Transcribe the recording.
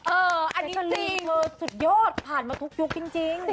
โอ้อันนี้จริงสุดโยทย์ผ่านมาทุกยุคจริง